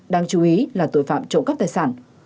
đáng chú ý là tội phạm trộm cắp tài sản